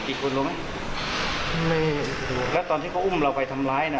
ไปถึงเขาทำอะไรเราเลย